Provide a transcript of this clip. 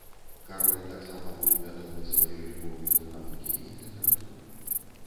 Кароль таксама быў вядомы сваёй любоўю да навукі і літаратуры.